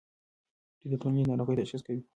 دوی د ټولنیزو ناروغیو تشخیص کوي.